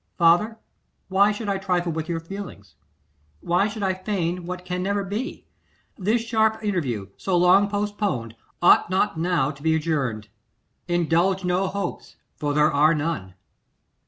'Father, why should I trifle with your feelings? why should I feign what can never be? This sharp interview, so long postponed, ought not now to be adjourned. Indulge no hopes, for there are none.